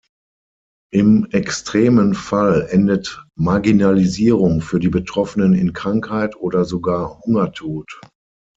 Im extremen Fall endet Marginalisierung für die Betroffenen in Krankheit oder sogar Hungertod.